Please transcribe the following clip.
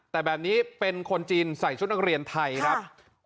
แต่แบบนี้เป็นคนจีนใส่ชุดนักเรียนไทยครับ